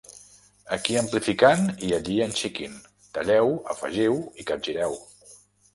Aquí amplificant i allí enxiquint, talleu, afegiu i capgireu.